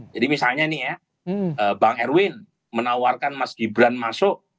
jadi misalnya nih ya bang erwin menawarkan mas gibran masuk